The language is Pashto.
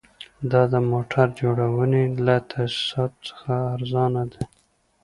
دا د موټر جوړونې له تاسیساتو څخه ارزانه دي